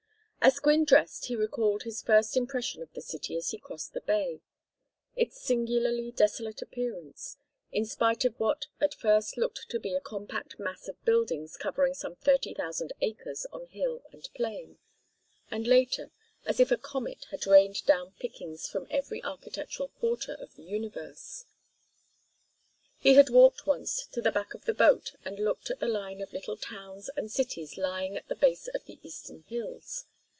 As Gwynne dressed he recalled his first impression of the city as he crossed the bay: its singularly desolate appearance, in spite of what at first looked to be a compact mass of buildings covering some thirty thousand acres on hill and plain, and later as if a comet had rained down pickings from every architectural quarter of the universe. He had walked once to the back of the boat and looked at the line of little towns and cities lying at the base of the eastern hills.